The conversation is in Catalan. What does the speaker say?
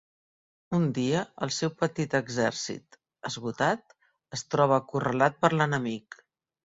Un dia, el seu petit exèrcit, esgotat, es troba acorralat per l'enemic.